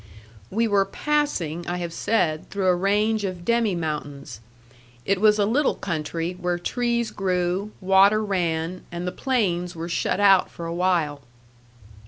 We were passing, I have said, through a range of demi mountains. It was a little country where trees grew, water ran, and the plains were shut out for a while.